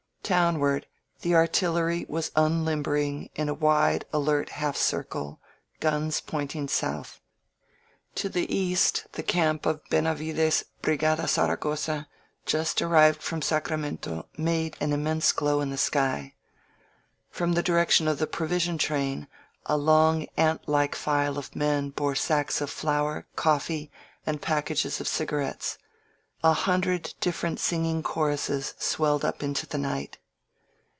Town ward the artillery was unlimbering in a wide, alert half circle, guns pointing south. To the east, the camp of Benavides' Brigada Zaragosa, just arrived from Sacra mento, made an immense glow in the sky. From the direction of the provision train a long ant like file of men bore sacks of flour, coffee, and packages of ciga rettes. ••• A hundred different singing choruses swelled up into the night.